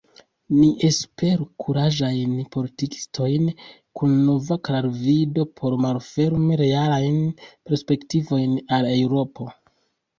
Ni esperu kuraĝajn politikistojn kun nova klarvido por malfermi realajn perspektivojn al Eŭropo.